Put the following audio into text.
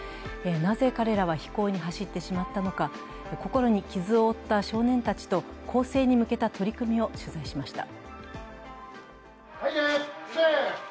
なぜ彼らは非行に走ってしまったのか、心に傷を負った少年たちと更生に向けた取り組みを取材しました。